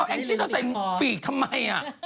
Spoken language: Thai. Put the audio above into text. เอาแอ็งซิต้าใส่ปีกทำไมอะ